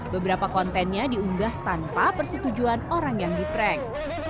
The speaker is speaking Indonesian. beberapa kontennya diunggah tanpa persetujuan orang yang diprank